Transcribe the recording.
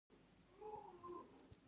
القلي محیط د لتمس کاغذ رنګ بدلوي.